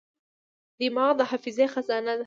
دماغ د حافظې خزانه ده.